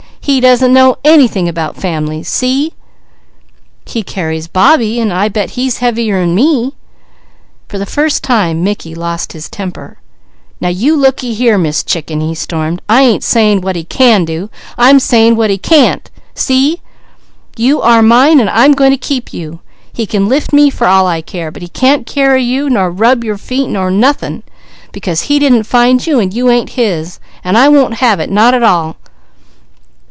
He doesn't know anything about families! See?_" "He carries Bobbie, an' I bet he's heavier 'an me." For the first time Mickey lost his temper. "Now you looky here, Miss Chicken," he stormed. "I ain't saying what he can do, I'm saying what he can't! See? You are mine, and I'm going to keep you! He can lift me for all I care, but he can't carry you, nor rub your feet, nor nothing; because he didn't find you, and you ain't his; and I won't have it, not at all!